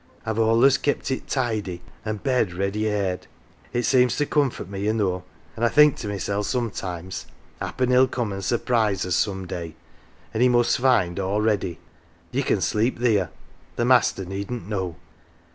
I've all'ays kep' it tidy, an' bed ready aired ; it seems to comfort me, you know, an' I think to mysel' sometimes, happen he'll come an' sur prise us some day, an' he must find all ready. Ye can sleep theer the master needn't know."